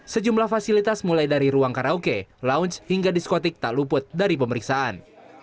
sejumlah fasilitas mulai dari ruang karaoke lounge hingga diskotik tak luput dari pemeriksaan